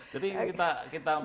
jadi kita mulai